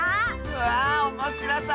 わあおもしろそう！